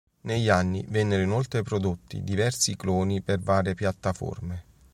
Negli anni vennero inoltre prodotti diversi cloni per varie piattaforme.